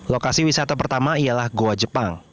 lokasi wisata pertama ialah goa jepang